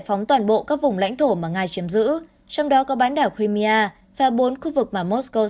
phóng toàn bộ các vùng lãnh thổ mà nga chiếm giữ trong đó có bán đảo crimia và bốn khu vực mà mosco